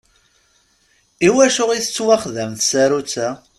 Iwacu i tettwaxdam tsarutt-a?